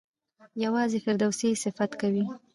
یوازې فردوسي یې صفت کوي.